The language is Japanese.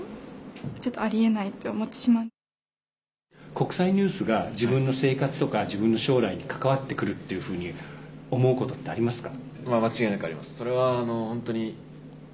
国際ニュースが自分の生活とか自分の将来に関わってくるっていうふうに思うことってありますか。